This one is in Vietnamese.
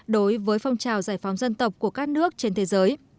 đối với phong trào giải phóng dân tộc của các nước trên thế giới